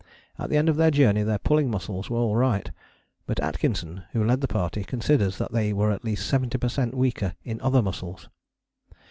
At the end of their journey their pulling muscles were all right, but Atkinson, who led the party, considers that they were at least 70 per cent weaker in other muscles.